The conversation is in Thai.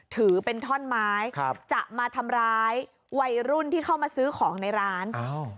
ถือเป็นท่อนไม้ครับจะมาทำร้ายวัยรุ่นที่เข้ามาซื้อของในร้านอ้าว